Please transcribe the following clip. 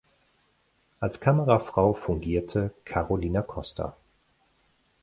Als Kamerafrau fungierte Carolina Costa.